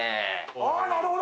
ああ、なるほど。